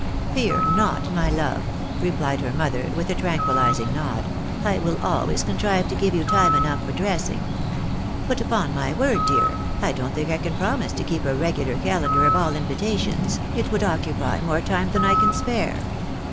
" Fear not, my love," replied her mother, with a tranquillising nod, " I will always contrive to give you time enough for dressing. But upon my word, dear, I don't think I can promise to keep a regular calendar of all invitations, it would occupy more time than I can spare.